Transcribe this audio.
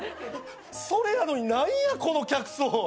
それやのに何やこの客層。